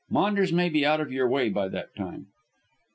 Maunders may be out of your way by that time!"